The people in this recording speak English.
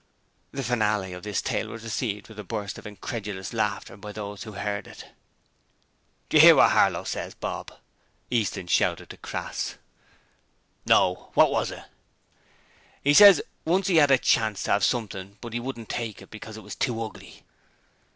The finale of this tale was received with a burst of incredulous laughter by those who heard it. 'Do you 'ear what Harlow says, Bob?' Easton shouted to Crass. 'No. What was it?' ''E ses 'e once 'ad a chance to 'ave something but 'e wouldn't take it on because it was too ugly!'